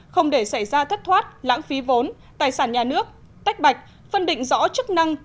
không để xảy ra thất thoát lãng phí vốn tài sản nhà nước tách bạch phân định rõ chức năng